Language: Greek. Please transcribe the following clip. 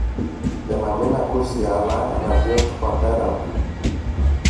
για να μην ακούσει άλλα εναντίον του πατέρα του.